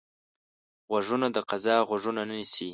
غوږونه د فضا غږونه نیسي